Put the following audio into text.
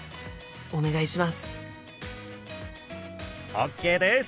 ＯＫです！